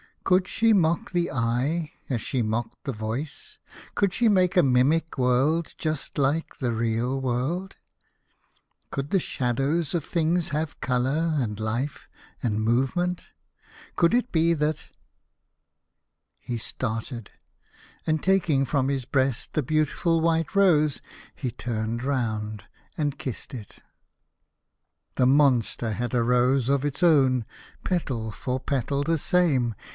Could she mock the eye, as she mocked the voice ? Could she make a mimic world just like the real world ? Could the shadows of things have colour and life and movement ? Could it be that —? He started, and taking from his breast the beautiful white rose, he turned round, and kissed it. The monster had a rose of its own, petal for petal the same!